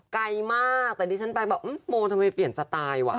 ไกลมากแต่ดิฉันไปบอกโมทำไมเปลี่ยนสไตล์ว่ะ